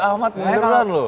amat minderan loh